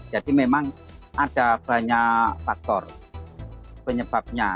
jadi memang ada banyak faktor penyebabnya